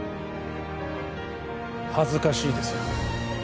恥ずかしいですよ